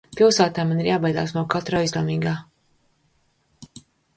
Pilsētā man ir jābaidās no katra aizdomīga.